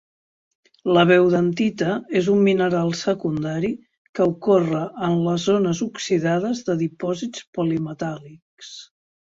La beudantita és un mineral secundari que ocorre en les zones oxidades de dipòsits polimetàl·lics.